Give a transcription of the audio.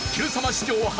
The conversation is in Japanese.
史上初！